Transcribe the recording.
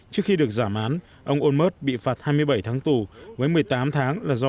trước khi được giảm án ông onmart bị phạt hai mươi bảy tháng tù với một mươi tám tháng là do